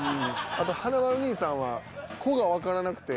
あと華丸兄さんは「こ」がわからなくて。